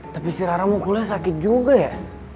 tapi si rara mukulnya sakit juga ya